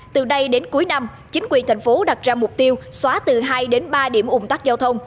từ nay đến cuối năm chính quyền thành phố đặt ra mục tiêu xóa từ hai đến ba điểm ủng tắc giao thông